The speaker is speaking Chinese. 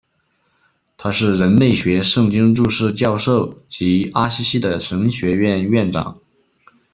他是人类学圣经注释教授及阿西西的神学院院长。